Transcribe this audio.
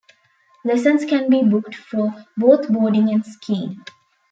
Lessons can be booked for both boarding and skiing.